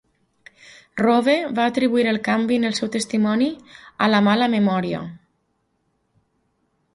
Rove va atribuir el canvi en el seu testimoni a la mala memòria.